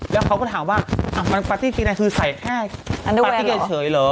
แล้วเขาก็ถามว่าอ่ะมันปาร์ตี้กางเกงในคือใส่แค่ปาร์ตี้เฉยหรือ